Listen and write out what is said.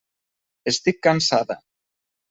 Estic cansada.